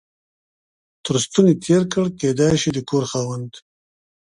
تر ستوني تېر کړ، کېدای شي د کور خاوند.